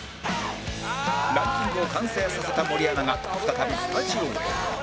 ランキングを完成させた森アナが再びスタジオへ